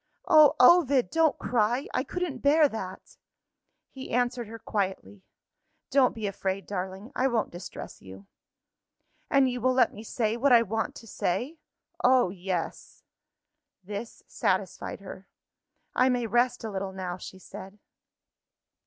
Oh, Ovid, don't cry! I couldn't bear that." He answered her quietly. "Don't be afraid, darling; I won't distress you." "And you will let me say, what I want to say?" "Oh, yes!" This satisfied her. "I may rest a little now," she said.